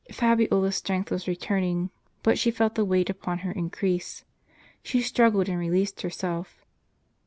" Fabiola' s strength was returning; but she felt the weight upon her increase. She struggled, and released herself.